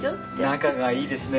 仲がいいですね。